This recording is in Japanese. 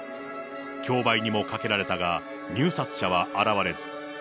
競売にもかけられたが、入札者は現れず。